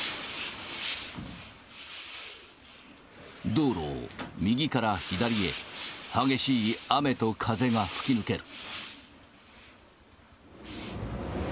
道路を右から左へ、激しい雨と風が吹き抜ける。